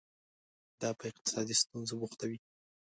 دا په اقتصادي ستونزو بوختوي.